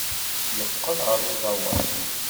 Yeqqel ɣer uẓawan.